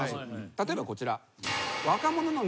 例えばこちら。